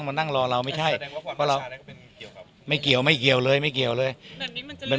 ไมมีปัญหาและเริ่มเวลากับนักแสดง